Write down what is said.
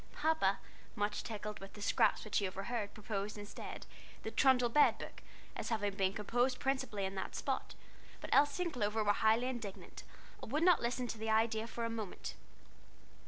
Papa, much tickled with the scraps which he overheard, proposed, instead, "The Trundle Bed Book," as having been composed principally in that spot, but Elsie and Clover were highly indignant, and would not listen to the idea for a moment.